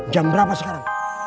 jam berapa sekarang